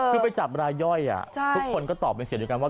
คือไปจับรายย่อยทุกคนก็ตอบเป็นเสียงเดียวกันว่า